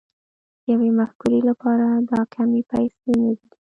د يوې مفکورې لپاره دا کمې پيسې نه دي.